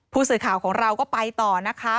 ผู้สื่อข่าวของเราก็ไปต่อนะคะ